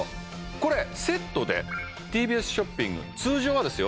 これセットでＴＢＳショッピング通常はですよ